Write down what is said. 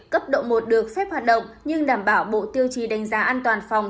cấp độ một được phép hoạt động nhưng đảm bảo bộ tiêu chí đánh giá an toàn phòng